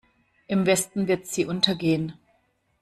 Im Westen wird sie untergehen.